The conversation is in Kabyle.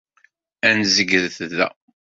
Ad nzegret da.